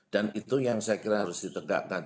dan itu yang saya kira harus ditegakkan